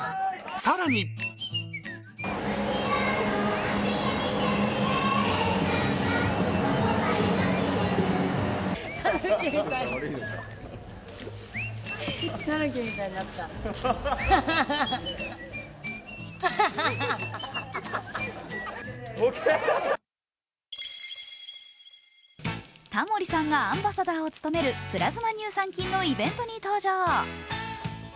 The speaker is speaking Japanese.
更にタモリさんがアンバサダーを務めるプラズマ乳酸菌のイベントに登場。